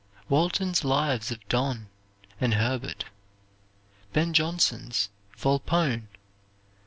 Walton's Lives of Donne, and Herbert. Ben Johnson's "Volpone."